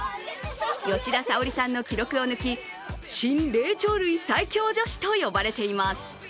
吉田沙保里さんの記録を抜き新・霊長類最強女子と呼ばれています。